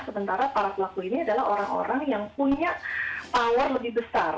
sementara para pelaku ini adalah orang orang yang punya power lebih besar